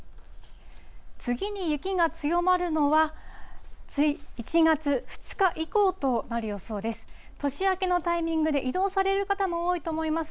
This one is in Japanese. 次に雪が強まるのは、１月２日以降となる予想です。